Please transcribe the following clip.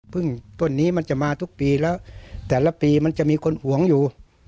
ต้นนี้มันจะมาทุกปีแล้วแต่ละปีมันจะมีคนหวงอยู่